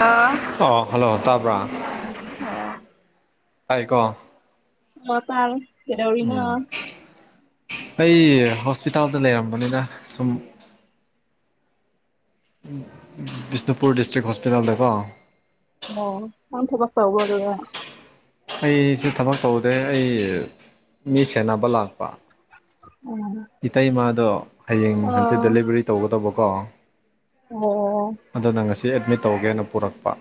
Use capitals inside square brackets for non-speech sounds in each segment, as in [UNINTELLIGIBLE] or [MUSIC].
ꯑꯥ ꯑ ꯍꯜꯂꯣ ꯇꯥꯕ꯭ꯔꯥ ꯑꯣ ꯍꯥꯏꯥꯏꯀꯣ ꯃ ꯇꯥꯜ ꯐꯗꯧꯔꯤꯅ ꯑꯩ ꯍꯣꯁꯄꯤꯇꯥꯜꯗ ꯂꯩꯔꯝꯕꯅꯤꯅ ꯁꯨꯝ ꯕꯤꯁꯅꯨꯄꯨꯔ ꯗꯤꯁꯇ꯭ꯔꯤꯛ ꯍꯣꯁꯄꯤꯇꯥꯜꯗꯀꯣ ꯑꯣ ꯀ ꯊ ꯀꯁꯕ ꯑꯗꯨꯗ ꯑꯩꯁꯤ ꯊꯕꯛ ꯇꯧꯗꯦ ꯑꯩ ꯃꯤ ꯁꯦꯟꯅꯕ ꯂꯥꯛ ꯎꯝ ꯏꯇꯩꯃꯗꯣ ꯍꯌꯦꯡ ꯍꯪꯆꯤꯠ ꯑꯣ ꯗꯦꯂꯤꯚꯔꯤ ꯇꯧꯒꯗꯕ ꯍꯣ [UNINTELLIGIBLE] [INAUDIBLE] ꯑꯣ ꯁꯤ ꯑꯦꯗꯃꯤꯠ ꯇꯧꯒꯦꯅ ꯄꯨꯔꯛꯄ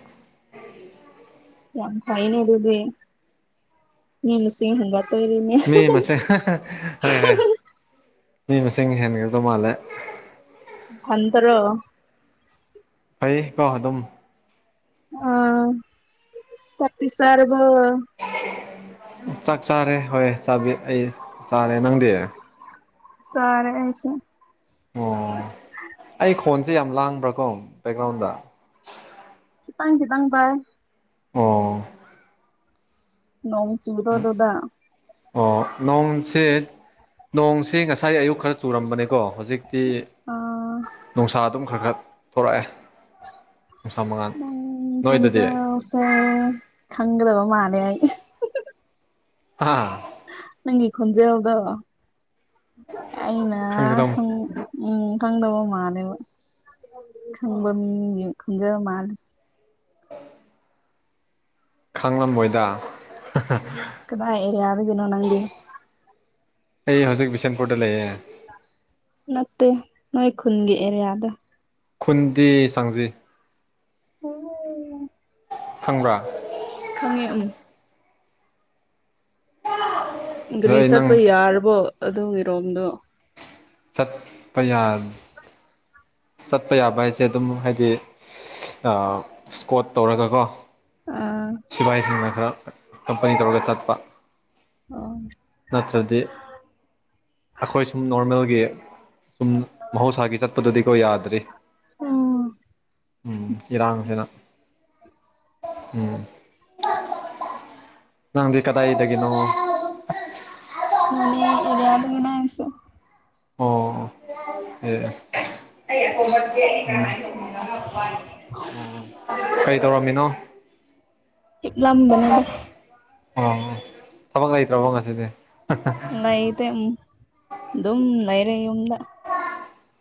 ꯌꯥꯝ ꯍꯥꯏꯥꯏꯅꯦ ꯑꯗꯨꯗ ꯃꯤꯅ ꯁꯤ ꯍꯗ ꯃ ꯃꯁꯦ ꯍ ꯍ [INAUDIBLE] ꯃꯤ ꯃꯁꯤꯡ ꯍꯦꯟꯒꯗ ꯃꯥꯜꯂꯦ ꯐꯟꯗꯔꯣ ꯐꯩꯌꯦ ꯀꯣꯣ ꯑꯗꯨꯝ ꯑꯥ ꯄꯄꯤꯤꯁꯔꯕ ꯆꯥꯛ ꯆꯥꯔꯦ ꯍꯣꯏ ꯆꯥꯕꯤ ꯑꯩ ꯆꯥꯔꯦ ꯅꯪꯗꯤ ꯇꯔꯦ ꯑꯁꯦ ꯑꯣ ꯑꯩ ꯈꯣꯟꯁꯦ ꯌꯥꯝ ꯂꯥꯡꯕ꯭ꯔꯥꯀꯣ ꯕꯦꯛꯒ꯭ꯔꯥꯎꯟꯗ ꯄꯥꯡꯁꯤ ꯄꯥꯡ ꯄꯥꯏ ꯑꯣ ꯅꯣꯡ ꯆꯤꯡꯔꯣ ꯑꯗꯨꯗ ꯑꯣ ꯅꯣꯡꯁꯦ ꯅꯣꯡꯁꯤꯦ ꯉꯁꯥꯏ ꯑꯌꯨꯛ ꯈꯔ ꯆꯨꯔꯝꯕꯅꯦꯀꯣ ꯍꯧꯖꯤꯛꯇꯤ ꯑꯥ ꯅꯨꯡꯁꯥ ꯑꯗꯨꯝ ꯈꯔ ꯈꯔ ꯊꯣꯛꯣꯔꯛꯑꯦ ꯎ ꯈꯟꯖꯁꯦ ꯈꯪꯒꯗꯕ ꯃꯥꯅꯦꯏ ꯍꯥ ꯅꯪꯒꯤ ꯈꯣꯟꯖꯦꯜꯗꯣ ꯑꯩꯅ ꯈꯪꯒꯗꯝ ꯎꯝ ꯈꯪꯗꯕ ꯃꯥꯜꯂꯦ ꯈꯪꯕ ꯃꯤ ꯈꯪꯖꯕ ꯃꯥꯂꯦ ꯈꯥꯡꯂꯝꯃꯣꯏꯗ ꯀꯗꯥꯔꯤ ꯌꯥꯕꯒꯅꯣ ꯅꯪꯦ ꯑꯩ ꯍꯧꯖꯤꯛ ꯕꯤꯁꯦꯟꯄꯨꯔꯗ ꯂꯩꯦ ꯅꯠꯇꯦ ꯅꯣꯏ ꯈꯨꯟꯒꯤ ꯑꯦꯔꯤꯌꯥꯗ ꯈꯨꯨꯟꯗꯤ ꯁꯪꯖꯦ ꯍ ꯍ ꯈꯪꯕ꯭ꯔꯥ ꯈꯪꯉꯦ ꯎꯝ ꯑꯗꯣ ꯑꯩ ꯅꯪ ꯔꯤꯁꯄ ꯌꯥꯔꯔꯕꯣ ꯑꯗꯨ ꯏꯔꯣꯝꯗꯣ ꯆꯠꯄ ꯌꯥ ꯆꯠꯄ ꯌꯥꯕ ꯍꯥꯏꯁꯦ ꯑꯗꯨꯝ ꯍꯥꯏꯗꯤ ꯏꯁꯀꯣꯠ ꯇꯧꯔꯒꯀꯣ ꯑꯥ ꯁꯤꯐꯥꯏꯁꯤꯡꯅ ꯈꯔ ꯀꯝꯄꯅꯤ ꯇꯧꯔꯒ ꯆꯠꯄ ꯑꯣ ꯅꯠꯇ꯭ꯔꯗꯤ ꯑꯩꯈꯣꯏ ꯁꯨꯝ ꯅꯣꯔꯃꯦꯜꯒꯤ ꯁꯨꯝ ꯃꯍꯧꯁꯥꯒꯤ ꯆꯠꯄꯗꯨꯗꯤꯀꯣ ꯌꯥꯗ꯭ꯔꯤ ꯎꯝ ꯎꯝ ꯏꯔꯥꯡꯁꯤꯅ ꯎꯝ ꯅꯪꯗꯤ ꯀꯗꯥꯥꯏꯗꯒꯦꯅꯣ ꯑꯅꯤ ꯑꯦꯔꯤꯌꯥꯗꯅ ꯍꯥꯏꯁꯨ ꯑꯣ ꯑ ꯀꯔꯤ ꯇꯧꯔꯝꯃꯤꯅꯣ ꯍ ꯂꯝ ꯅꯗ ꯑꯣ ꯊꯕꯛ ꯂꯩꯇ꯭ꯔꯕꯣ ꯉꯁꯤꯗꯤ ꯂꯩꯇ ꯑꯗꯨꯝ ꯂꯩꯔ ꯌꯗ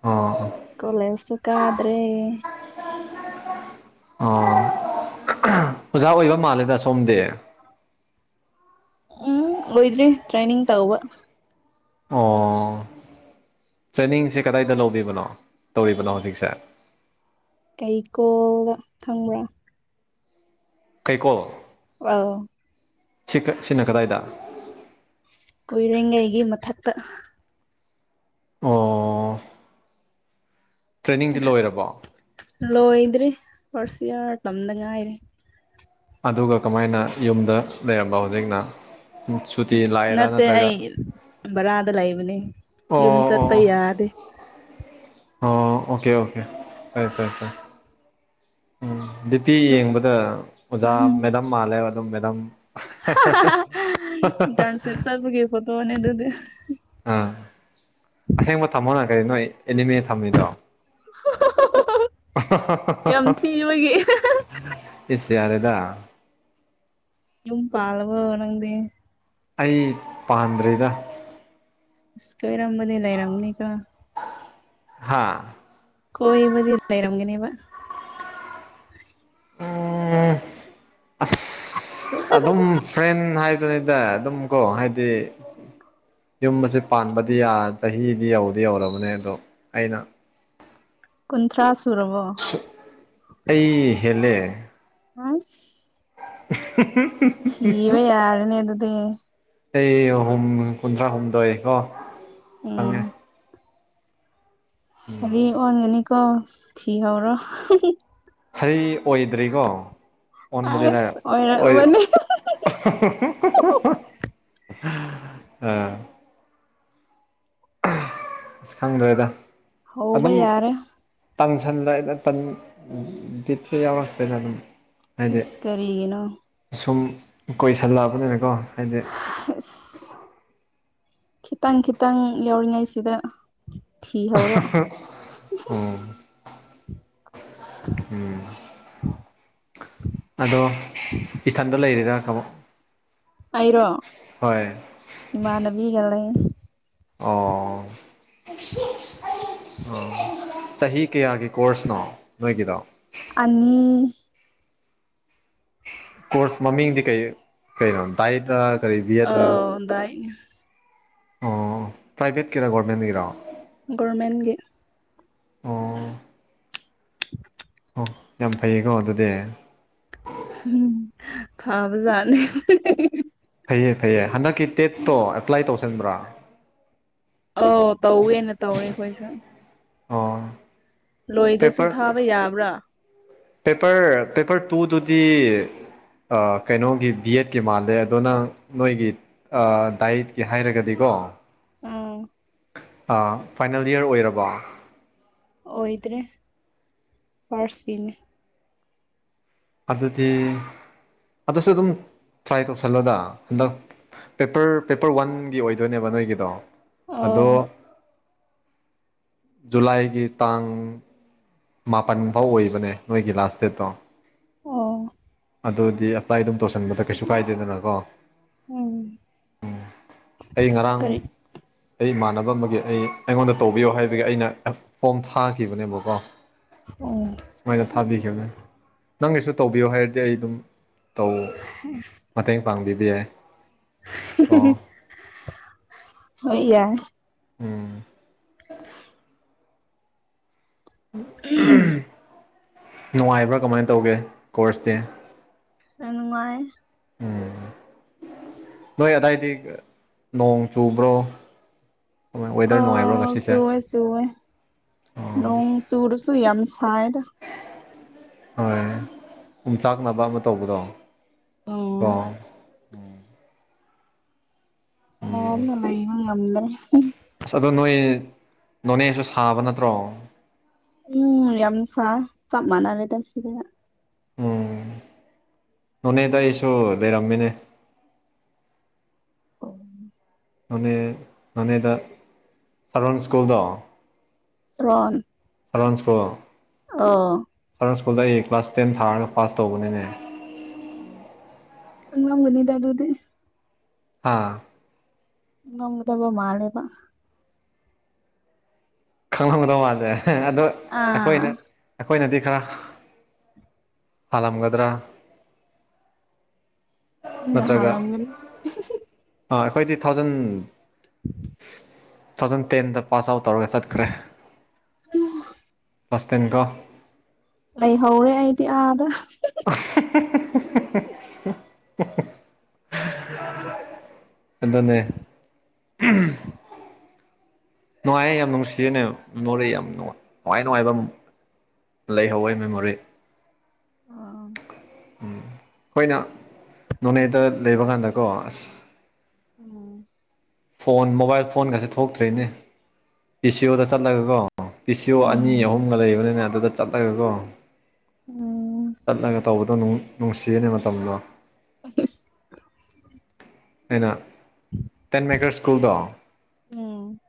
ꯑꯣ ꯀꯣꯂꯦꯦꯜꯁꯨꯈꯗ꯭ꯔꯦ ꯑꯣ ꯑꯣꯖꯥ ꯑꯣꯏꯕ ꯃꯥꯜꯂꯦꯗ ꯁꯣꯝꯗꯤ ꯎꯝ ꯑꯣꯏꯣꯏꯗ꯭ꯔꯤ ꯇ꯭ꯔꯦꯅꯤꯡ ꯇꯧꯕꯕ ꯑꯣ ꯇ꯭ꯔꯦꯅꯤꯡꯁꯦ ꯀꯗꯥꯏꯗ ꯂꯧꯕꯤꯕꯅꯣ ꯇꯧꯔꯤꯕꯅꯣ ꯍꯧꯖꯤꯛꯁꯦ ꯀꯩꯀꯣꯜꯗ ꯊꯪꯕ꯭ꯔꯥ ꯀꯩꯀꯣ ꯋꯥ ꯀ ꯁꯤꯅ ꯀꯗꯥꯏꯗ ꯀꯣꯏꯂꯒ ꯑꯩꯒꯤ ꯃꯛꯇ ꯑꯣ ꯇ꯭ꯔꯦꯅꯤꯡꯗꯤ ꯂꯣꯏꯔꯕꯣ ꯂꯣꯏꯗ꯭ꯔꯔꯤ ꯐꯥꯔꯁ ꯏꯔ ꯇꯗ ꯉꯥꯏꯔꯦ ꯑꯗꯨꯒ ꯀꯃꯥꯏꯅ ꯌꯨꯝꯗ ꯂꯩꯔꯝꯕ ꯍꯧꯖꯤꯛꯅ ꯁꯨꯇꯤ ꯂꯥꯛꯑꯦꯔꯥ ꯅꯠꯇꯦ ꯑ ꯅꯠꯇ꯭ꯔꯒ ꯕꯔꯥꯗ ꯂꯩꯕꯅꯦ ꯌꯨꯝ ꯑꯣ ꯆꯠꯄ ꯑꯣ ꯌꯥꯗꯦ ꯑꯣ ꯑꯣꯀꯦ ꯑꯣꯀꯦ ꯐꯔꯦ ꯐꯥꯏ ꯐꯔꯦ ꯎꯝ ꯗꯤꯄꯤ ꯌꯦꯡꯕꯗ ꯑꯣꯖꯥ ꯃꯦꯗꯝ ꯃꯥꯜꯂꯦ ꯑꯗꯨꯝ ꯃꯦꯗꯝ ꯇꯥꯟꯁꯤꯜ ꯁꯄꯒꯤ ꯐꯣꯇꯣꯅꯤ ꯑꯗꯨꯗꯤ ꯑꯥ ꯑꯁꯦꯡꯕ ꯊꯝꯃꯣꯅ ꯀꯔꯤ ꯅꯣꯏ ꯑꯦꯅꯤꯃꯦ ꯊꯝꯃꯤꯗꯣ [UNINTELLIGIBLE] ꯌꯥꯝ ꯊꯤꯕꯒꯤ ꯁꯤꯁ ꯌꯥꯔꯦꯗ ꯌꯨꯝ ꯄꯥ ꯑꯂꯕ ꯑꯣꯏꯔꯗꯤ ꯑꯩ ꯄꯥꯟꯗ꯭ꯔꯦꯗ ꯀꯣꯏꯔꯝꯕꯗꯤ ꯂꯥꯏꯔꯃꯅꯤ ꯀ ꯍꯥꯥ ꯀꯣꯏꯕꯗꯤ ꯏ ꯂꯩꯔꯝꯒꯅꯦꯕ ꯎ ꯑꯁ ꯑꯗꯨꯝ ꯐ꯭ꯔꯦꯟ ꯍꯥꯏꯗꯨꯅꯤꯗ ꯑꯗꯨꯝ ꯀꯣ ꯍꯥꯏꯗꯤ ꯌꯨꯝꯁꯦ ꯄꯥꯟꯕꯗꯤ ꯆꯍꯤꯗꯤ ꯌꯧꯗꯤ ꯌꯧꯔꯕꯅꯦ ꯑꯗꯣ ꯑꯩꯅ ꯀꯨꯟꯊ꯭ꯔꯥ ꯁꯨꯔꯕꯣ ꯍꯦꯂꯦ ꯑ ꯁꯤꯕ ꯌꯥꯔꯅꯦ ꯑꯗꯨꯗꯤ ꯑꯩ ꯑꯍꯨꯝ ꯀꯨꯟꯊ꯭ꯔꯥ ꯍꯨꯝꯗꯣꯏ ꯀꯣ ꯎꯝ ꯆꯪꯉꯦ ꯁꯥꯔꯤ ꯑꯣꯟꯒꯅꯤꯀꯣ ꯊꯤꯍꯧꯔꯣ ꯁꯤ ꯑꯣꯏꯗ꯭ꯔꯤꯀꯣ ꯑꯣꯟꯕꯗꯤ ꯇꯔꯦ ꯑꯁ ꯑꯣꯏ ꯑꯣꯏꯔꯛꯂꯕꯅꯤ ꯑꯥ ꯑꯁ ꯈꯪꯗ꯭ꯔꯦꯗ ꯍ ꯌꯥꯔꯦ ꯇꯥꯡꯁꯟꯗ ꯑꯩꯅ ꯇꯟ ꯊꯔꯤ ꯌꯥꯎꯔꯛꯇꯅ ꯑꯗꯨꯝ ꯍꯥꯏꯗꯤ ꯏꯁꯀꯔꯤꯅ ꯁꯨꯝ ꯀꯣꯏꯁꯜꯂꯛꯑꯕꯅꯤꯅꯀꯣ ꯍꯥꯏꯗꯤ ꯑꯁ ꯈꯤꯇꯪ ꯈꯤꯇꯪ ꯌꯥꯎꯔꯤꯉꯩ ꯁꯤꯗ ꯊꯤ ꯍꯔꯣ ꯎꯝ ꯎꯝ ꯑꯗꯣ ꯏꯊꯟꯗ ꯂꯩꯔꯤꯔꯥ ꯀꯥꯃꯣ ꯑꯩꯔꯣ ꯏꯃꯥꯟꯅꯕꯤꯒ ꯂꯩ ꯑꯣ ꯑ ꯆꯍꯤ ꯀꯌꯥꯒꯤ ꯀꯣꯔꯁꯅꯣ ꯅꯣꯏꯒꯤꯗꯣ ꯑꯅꯤ ꯀꯣꯔꯁ ꯃꯃꯤꯡꯗꯤ ꯀꯩ ꯀꯩꯅꯣ ꯇꯥꯏ ꯑꯣꯗꯏꯅꯦ ꯑꯣ ꯄ꯭ꯔꯥꯏꯚꯦꯠꯀꯤꯔꯥ ꯒꯣꯔꯃꯦꯟꯒꯤꯔꯥ ꯍ ꯑꯣ [UNINTELLIGIBLE] ꯑꯣ ꯌꯥꯝ ꯐꯩꯌꯦꯀꯣ ꯑꯗꯨꯗꯤ ꯍꯥꯥ ꯖꯔꯅꯦ ꯐꯩꯌꯦ ꯐꯩꯌꯦ ꯍꯟꯗꯛꯀꯤ ꯇꯦꯠꯇꯣ ꯑꯦꯄ꯭ꯂꯥꯏ ꯇꯧꯁꯟꯕ꯭ꯔꯥ ꯑꯥꯎ ꯇꯧꯋꯦꯅ ꯇꯧꯔꯦ ꯑꯩꯈꯣꯏꯁꯦ ꯑꯣ ꯄꯦꯄꯔ ꯊꯥꯕ ꯌꯥꯕ꯭ꯔꯥ ꯄꯦꯄꯔ ꯄꯦꯄꯔ ꯇꯨ ꯗꯗꯨꯇ ꯇ ꯀꯩꯅꯣꯒꯤ ꯕꯤ ꯑꯦꯗꯀꯤ ꯃꯥꯜꯂꯦ ꯑꯗꯨꯗꯣ ꯅꯪ ꯅꯣꯏꯒꯤ ꯗꯥꯏꯠꯀꯤ ꯍꯥꯏꯔꯒꯗꯤꯀꯣ ꯑꯣ ꯎꯝ ꯐꯥꯏꯅꯦꯜ ꯏꯔ ꯑꯣꯏꯔꯕ ꯑꯣꯏꯗ꯭ꯔꯦ ꯐꯅꯤ ꯑꯗꯗꯤ ꯑꯗꯁꯨ ꯑꯗꯨ ꯑꯗꯨꯝ ꯇ꯭ꯔꯥꯏ ꯇꯧꯁꯜꯂꯣꯗ ꯍꯟꯗꯛ ꯄꯦꯄꯔ ꯄꯦꯄꯔ ꯋꯥꯟꯒꯤ ꯑꯣꯏꯗꯣꯏꯅꯦꯕ ꯅꯣꯏꯒꯤꯗꯣ ꯑꯣ ꯑꯗꯣ ꯖꯨꯂꯥꯏꯒꯤ ꯇꯥꯡ ꯃꯥꯄꯜ ꯐꯥꯎ ꯑꯣꯏꯕꯅꯦ ꯅꯣꯏꯒꯤ ꯂꯥꯁ ꯗꯦꯠꯇꯣ ꯑꯣ ꯑꯗꯨꯗꯤ ꯑꯦꯄ꯭ꯂꯥꯏ ꯑꯗꯨꯝ ꯇꯧꯁꯟꯕꯗ ꯀꯩꯁꯨ ꯀꯥꯏꯗꯦꯗꯅꯀꯣ ꯎꯝ ꯑꯩ ꯉꯔꯥꯡ ꯀꯔꯤ ꯑꯩ ꯏꯃꯥꯟꯅꯕ ꯑꯃꯒꯤ ꯑꯩ ꯑꯩꯉꯣꯟꯗ ꯇꯧꯕꯤꯌꯣ ꯍꯥꯏꯕꯒꯤ ꯑꯩꯅ ꯐꯣꯝ ꯊꯥꯈꯤꯕꯅꯦꯕꯀꯣ [UNINTELLIGIBLE] ꯁꯥꯏ ꯇ ꯊꯥꯕꯤ ꯈꯃꯦ ꯅꯪꯒꯤꯁꯨ ꯇꯧꯕꯤꯌꯣ ꯍꯥꯏꯔꯗꯤ ꯑꯩ ꯑꯗꯨꯝ ꯇꯧ ꯃꯇꯦꯡ ꯄꯥꯡꯕꯤꯕ ꯌꯥꯏ ꯑꯣ ꯑꯣꯏ ꯌꯥꯏ ꯎꯝ ꯌꯥꯝ ꯅꯨꯡꯉꯥꯏꯕ꯭ꯔꯥ ꯀꯃꯥꯏꯅ ꯇꯧꯒꯦ ꯀꯣꯔꯁꯇꯤ ꯅꯨꯡꯉꯥꯏ ꯎꯝ ꯅꯣꯏ ꯑꯗꯥꯏꯗꯤ ꯅꯣꯡ ꯆꯨꯕ꯭ꯔꯣ ꯋꯦꯗꯔ ꯅꯨꯡꯉꯥꯏꯕ꯭ꯔꯣ ꯑꯣ ꯉꯁꯤꯁꯦ ꯁꯋꯦ ꯁꯋꯦ ꯂꯣꯡ ꯆꯨꯔ ꯁꯨꯏ ꯌꯥꯝꯁꯥꯏꯗ ꯍꯣꯏ ꯌꯨꯝ ꯆꯥꯛꯅꯕ ꯑꯃ ꯇꯧꯕꯗꯣ ꯀ ꯎꯝ ꯑꯣ ꯑꯗꯨꯂꯂ ꯏꯃꯪ ꯅꯝꯗ꯭ꯔꯦ ꯑꯁ ꯑꯗꯨꯗ ꯅꯣꯏ ꯅꯣꯟꯚꯦꯖꯁꯨ ꯁꯥꯕ ꯅꯠꯇ꯭ꯔꯣ ꯎꯝ ꯌꯥꯝꯁ ꯆꯞ ꯃꯅ ꯂꯩꯦꯗꯁꯤꯗꯅ ꯎꯝ ꯅꯣꯅꯦꯗ ꯑꯩꯁꯨ ꯂꯩꯔꯝꯃꯤꯅꯦ ꯑꯣ ꯅ ꯅꯅꯦꯦꯗ ꯁꯔꯣꯟ ꯁ꯭ꯀꯨꯜꯗ ꯁꯣꯣꯟ ꯑꯦꯥꯚꯥꯟꯁꯀꯣ ꯑꯣ ꯁ꯭ꯀꯨꯜꯗ ꯑꯩ ꯀ꯭ꯂꯥꯁ ꯇꯦꯟ ꯊꯥꯔꯒ ꯄꯥꯁ ꯇꯧꯕꯅꯤꯅꯦ ꯈꯪ ꯂꯒꯅꯤꯗ ꯑꯗꯨꯗꯤ ꯍꯥꯥ ꯉꯃꯗꯕ ꯃꯥꯂꯦꯕ ꯈꯪꯂꯝꯗꯧ ꯃꯥꯜꯂꯦ ꯑꯗꯣ ꯑꯥ ꯑꯩꯈꯣꯏꯅ ꯑꯩꯈꯣꯏꯅꯗꯤ ꯈ ꯍꯥꯒꯗ꯭ꯔꯥ ꯎꯅ ꯍꯔꯂꯝꯒꯦ ꯑꯩꯈꯣꯏꯗꯤ ꯊꯥꯎꯖꯟ ꯇꯨ ꯊꯥꯎꯖꯟ ꯇꯦꯟꯗ ꯄꯥꯁ ꯑꯥꯎꯠ ꯇꯧꯔꯒ ꯆꯠꯈ꯭ꯔꯦ ꯄ꯭ꯂꯥꯁꯇꯦꯟꯒ ꯂꯩ ꯍꯧꯧꯔꯦ ꯑꯩꯗꯤ ꯑꯥꯗ [UNINTELLIGIBLE] ꯑꯦꯇꯅꯦ ꯅꯨꯡꯉꯥꯏꯌꯦꯦ ꯌꯥꯝ ꯅꯨꯡꯁꯤꯖꯅꯦ ꯅꯣꯔꯦ ꯌꯥꯝ ꯅꯨꯡꯉꯥꯏ ꯅꯨꯡꯉꯥꯏꯕ ꯑꯃ ꯂꯩꯍꯋꯥꯏ ꯃꯦꯃꯣꯔꯤ ꯎꯝ ꯎꯝ ꯑꯩꯈꯣꯏꯅ ꯅꯣꯅꯦꯗ ꯂꯩꯕ ꯀꯥꯟꯗꯀꯣ ꯑꯁ ꯎꯝ ꯐꯣꯟ ꯃꯣꯕꯥꯏꯜ ꯐꯣꯟꯒꯁꯦ ꯊꯣꯛꯇ꯭ꯔꯤꯅꯦ ꯑꯦꯁꯤ ꯑꯣꯗ ꯆꯠꯂꯒꯀꯣ ꯄꯤꯁꯤꯣ ꯑꯅꯤ ꯑꯍꯨꯝꯒ ꯂꯩꯕꯅꯤꯅꯦ ꯑꯗꯨꯗ ꯆꯠꯂꯒꯀꯣ ꯎꯝ ꯆꯠꯂꯒ ꯇꯧꯕꯗꯣ ꯅꯨꯡꯁꯤꯔꯅꯤ ꯃꯇꯝꯗꯣ ꯑ ꯑꯩꯅ ꯇꯦꯟ ꯃꯦꯀꯔ ꯁ꯭ꯀꯨꯜꯗꯣ ꯎꯝ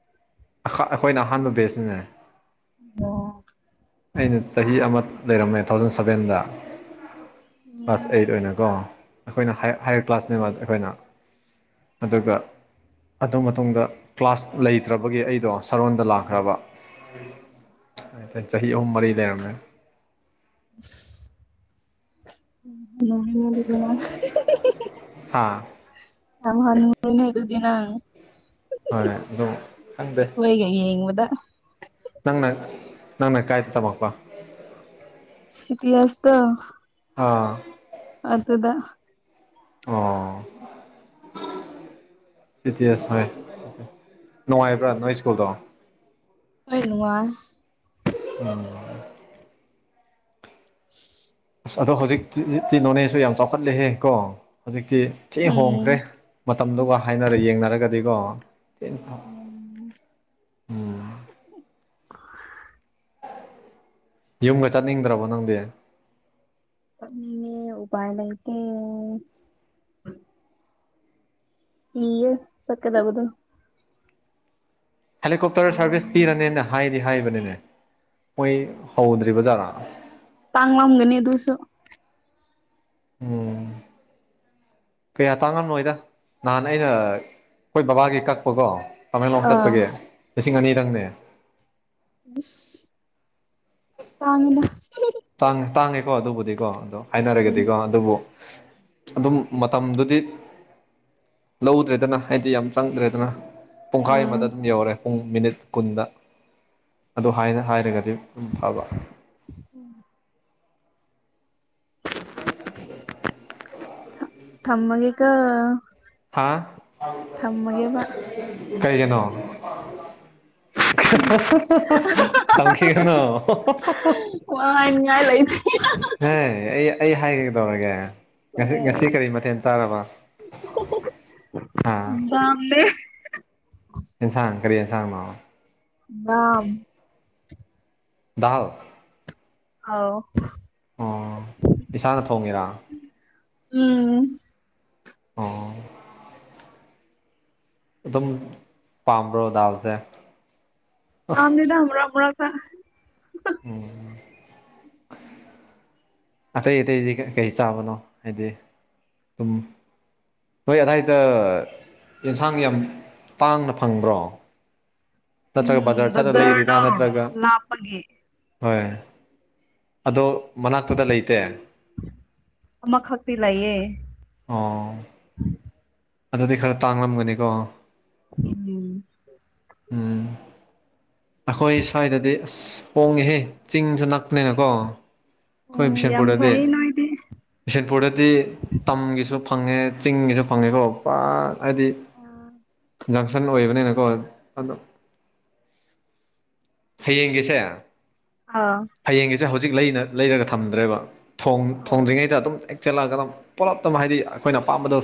ꯑꯩꯈꯣꯏꯅ ꯑꯍꯥꯟꯕ ꯕꯦꯁꯅꯤꯅꯦ ꯑꯣ ꯑꯩꯅ ꯆꯍꯤ ꯑꯃ ꯂꯩꯔꯝꯃꯦ ꯊꯥꯎꯖꯟ ꯁꯕꯦꯟꯗ ꯀ꯭ꯂꯥꯁ ꯎꯝ ꯑꯩꯠ ꯑꯣꯏꯅꯀꯣ ꯑꯩꯈꯣꯏꯅꯔ ꯀ꯭ꯂꯥꯁꯅꯦꯕ ꯑꯩꯈꯣꯏꯅ ꯑꯗꯨꯒ ꯑꯗꯨ ꯃꯇꯨꯡꯗ ꯀ꯭ꯂꯥꯁ ꯂꯩꯇ꯭ꯔꯕ ꯣ ꯁꯔꯣꯟꯗ ꯂꯈꯕ ꯆꯍꯤ ꯑꯍꯨꯝ ꯃꯔꯤ ꯂꯩꯅꯅ [UNINTELLIGIBLE] ꯎ ꯍꯥ ꯌꯥꯝ ꯍꯟꯅꯦ ꯑꯗꯨꯗꯅ ꯍꯣꯏ ꯑꯗꯨꯝ ꯈꯪꯗꯦ ꯌꯦꯡꯕꯗ ꯅꯪꯅ ꯅꯪꯅ ꯀꯥꯏꯇ ꯇꯃꯄꯥ ꯁꯤꯇꯤꯌꯥꯥꯁꯇ ꯑꯥ ꯑꯗꯨ ꯑꯗꯨꯗ ꯑꯣ ꯁꯤ ꯇꯤ ꯑꯦꯁ ꯍꯣꯏ ꯅꯨꯡꯉꯥꯏꯕ꯭ꯔꯥ ꯅꯣꯏ ꯁ꯭ꯀꯨꯜꯗꯣ ꯍꯣꯏ ꯅꯨ ꯑ ꯑꯁ ꯑꯗꯣ ꯍꯧꯖꯤꯛꯇꯤꯤ ꯅꯣꯅꯦꯁꯨ ꯌꯥꯝ ꯆꯥꯎꯈꯠꯂꯦꯍꯦ ꯀꯣ ꯍꯧꯖꯤꯛꯇꯤ ꯊꯤ ꯎꯝ ꯍꯣꯡꯈ꯭ꯔꯦ ꯃꯇꯝꯗꯨꯒ ꯍꯥꯏꯅꯔ ꯌꯦꯡꯅꯔꯒꯗꯤꯀꯣ ꯆ ꯎꯝ ꯎꯝ ꯌꯨꯝꯒ ꯆꯠꯅꯤꯡꯗ꯭ꯔꯕꯣ ꯅꯪꯗꯤ ꯎꯕꯥꯏ ꯅꯠꯇ ꯍꯒ ꯁꯀ ꯇꯕꯗ ꯍꯦꯂꯤꯀꯣꯞꯇꯔ ꯁꯥꯔꯚꯤꯁ ꯄꯤꯔꯅꯦꯅ ꯍꯥꯏꯗꯤ ꯍꯥꯏꯕꯅꯤꯅꯦ ꯃꯣꯏ ꯍꯧꯗ꯭ꯔꯤꯕ ꯖꯥꯔꯥ ꯇꯥꯡꯂꯝꯝꯒꯅꯤ ꯑꯗꯨꯁꯨ ꯎꯝ ꯀꯌꯥ ꯇꯥꯡꯉꯝꯅꯣꯏꯗ ꯅꯍꯥꯟ ꯑꯩꯅ ꯑꯩꯈꯣꯏ ꯕꯕꯥꯒꯤ ꯀꯛꯄꯒꯣ ꯇꯃꯦꯡꯂꯣꯡ ꯑꯥ ꯆꯠꯄꯒꯤꯦ ꯂꯤꯁꯤꯡ ꯑꯅꯤꯗꯪꯅꯦ ꯇꯥꯡꯉꯅ ꯇꯥꯡꯉ ꯇꯥꯡꯉꯦꯀꯣ ꯑꯗꯨꯕꯨꯗꯤꯀꯣ ꯑꯗꯣ ꯍꯥꯏꯅꯔꯒꯗꯤꯀꯣ ꯑꯗꯨꯕꯨ ꯑꯗꯨꯝ ꯃꯇꯝꯗꯨꯗꯤ ꯂꯧꯗ꯭ꯔꯦꯗꯅ ꯍꯥꯏꯗꯤ ꯌꯥꯝ ꯆꯪꯗ꯭ꯔꯦꯗꯅ ꯄꯨꯡꯈꯥꯏ ꯑꯥ ꯑꯃꯗ ꯑꯗꯨꯝ ꯌꯧꯔꯦ ꯄꯨꯡ ꯃꯤꯅꯤꯠ ꯀꯨꯟꯗ ꯑꯗꯨ ꯍꯥꯏꯅ ꯍꯥꯏꯔꯒꯗꯤ ꯎꯝ ꯐꯕ ꯍ ꯊꯃꯒꯒ ꯍꯥ ꯀꯔꯤꯒꯤꯅꯣ ꯊꯪꯁꯤꯒꯅ ꯍꯥꯏꯅꯤꯡꯉꯥꯏ ꯂꯩꯇꯦ ꯍ ꯑꯩ ꯑꯩ ꯍꯥꯏꯒꯦ ꯇꯧꯔꯒꯦ ꯉꯁꯤ ꯉꯁꯤ ꯀꯔꯤ ꯃꯊꯦꯜ ꯆꯥꯔꯕ ꯍꯥꯥ ꯗꯥꯝꯅꯦ ꯏꯟꯁꯥꯡ ꯀꯔꯤ ꯏꯟꯁꯥꯡ ꯃꯥ ꯑ ꯗꯥꯎ ꯑꯥꯎ ꯏꯁꯥꯅ ꯊꯣꯡꯉꯤꯔꯥ ꯎꯝ ꯑꯣ ꯑꯗꯨꯝ ꯄꯥꯝꯕ꯭ꯔꯣ ꯗꯥꯜꯁꯦ ꯑꯝꯅꯤꯗ ꯍꯔ ꯍꯔꯥ ꯊ ꯎꯝ ꯑꯇꯩ ꯑꯇꯩꯗꯤ ꯀ ꯀꯩ ꯆꯥꯕꯅꯣ ꯍꯥꯏꯗꯤ ꯑꯗꯨꯝ ꯍꯣꯏ ꯑꯗꯥꯏꯗ ꯌꯦꯟꯁꯥꯡ ꯌꯥꯝ ꯇꯥꯡꯅ ꯐꯪꯕ꯭ꯔꯣ ꯅꯠꯇ꯭ꯔꯒ ꯎꯝ ꯕꯖꯥꯔ ꯆꯠꯂ ꯂꯩꯔꯤꯔ ꯕꯖꯥꯔꯗꯣ ꯅꯠꯇ꯭ꯔꯒ ꯂꯥꯞꯄꯒꯤ ꯍꯣꯏ ꯑꯗꯣ ꯃꯅꯥꯛꯇꯗ ꯂꯩꯇꯦ ꯑꯃꯈꯛꯇꯤ ꯂꯩꯌꯦ ꯑꯣ ꯑꯗꯨꯗꯤ ꯈꯔ ꯇꯥꯡꯂꯝꯒꯅꯤꯀꯣ ꯎꯝ ꯎꯝ ꯑꯩꯈꯣꯏ ꯁ꯭ꯋꯥꯏꯗꯗꯤ ꯑꯁ ꯍꯣꯡꯉꯦꯍꯦ ꯆꯤꯡꯁꯨ ꯅꯛꯄꯅꯦꯅꯀꯣ ꯑꯩꯈꯣꯏ ꯎꯝ ꯌꯥꯝ ꯕꯤꯁꯦꯟꯄꯨꯔꯗꯗꯤ ꯐꯩ ꯅꯣꯏꯗꯤ ꯕꯤꯁꯦꯟꯄꯨꯔꯗꯗꯤ ꯇꯝꯒꯤꯁꯨ ꯐꯪꯉꯦ ꯆꯤꯡꯒꯤꯁꯨ ꯐꯪꯉꯦꯀꯣ ꯄꯨ ꯍꯥꯏꯗꯤ ꯖꯪꯁꯟ ꯑꯣꯏꯕꯅꯤꯅꯀꯣ ꯑꯣ ꯍꯌꯦꯡꯒꯤꯁꯦ ꯑꯥ ꯦ ꯍꯧꯖꯤꯛ ꯂꯩꯔꯒ ꯊꯝꯗ꯭ꯔꯦꯕ ꯑꯧ ꯊꯣꯡꯗ꯭ꯔꯤꯉꯩꯗ ꯑꯗꯨꯝ ꯆꯦꯜꯂꯑꯒ ꯑꯗꯨꯝ ꯄꯨꯂꯞꯇ ꯑꯗꯨꯝ ꯍꯥꯏꯗꯤ ꯑꯩꯈꯣꯏꯅ ꯑꯄꯥꯝꯕꯗꯣ